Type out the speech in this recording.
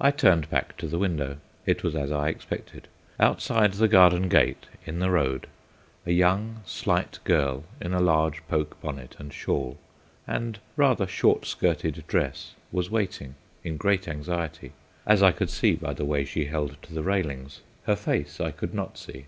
I turned back to the window. It was as I expected. Outside the garden gate, in the road, a young slight girl in a large poke bonnet and shawl and rather short skirted dress was waiting, in great anxiety, as I could see by the way she held to the railings. Her face I could not see.